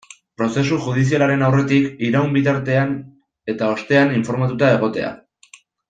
Prozesu judizialaren aurretik, iraun bitartean eta ostean informatuta egotea.